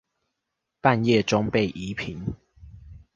半夜中被移平